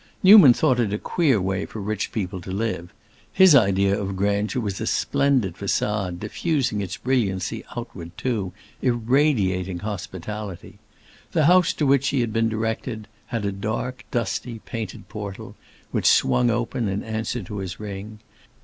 Newman thought it a queer way for rich people to live; his ideal of grandeur was a splendid façade diffusing its brilliancy outward too, irradiating hospitality. The house to which he had been directed had a dark, dusty, painted portal, which swung open in answer to his ring.